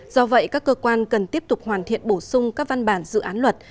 do vậy các cơ quan cần tiếp tục hoàn thiện bổ sung các văn bản dự án luật